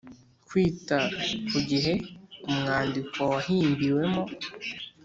kwita ku gihe umwandiko wahimbiwemo